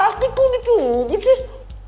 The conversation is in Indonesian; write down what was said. sakit kok dicubit sih